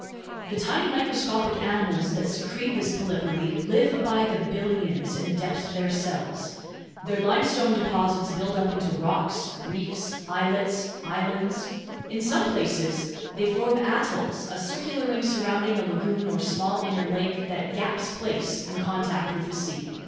The tiny microscopic animals that secrete this polypary live by the billions in the depths of their cells. Their limestone deposits build up into rocks, reefs, islets, islands. In some places, they form atolls, a circular ring surrounding a lagoon or small inner lake that gaps place in contact with the sea.